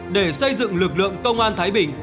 để xây dựng lực lượng công an thái bình